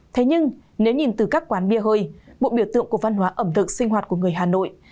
thế nhưng nếu nhìn từ các quán bia hơi một biểu tượng của văn hóa ẩm thực sinh hoạt của người hà nội